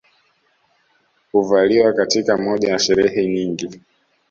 Huvaliwa katika moja ya sherehe nyingi